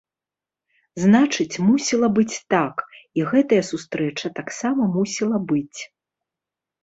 Значыць, мусіла быць так, і гэтая сустрэча таксама мусіла быць.